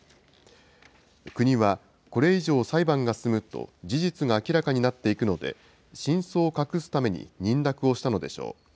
国は、これ以上裁判が進むと、事実が明らかになっていくので、真相を隠すために認諾をしたのでしょう。